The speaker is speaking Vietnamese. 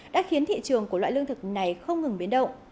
đã khiến thị trường của loại lương thực này không ngừng biến động